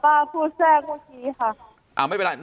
พูดแทรกเมื่อกี้ค่ะ